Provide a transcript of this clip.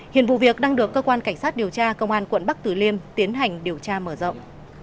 hiện vụ việc đang được cơ quan cảnh sát điều tra công an quận bắc tử liêm tiến hành điều tra mở rộng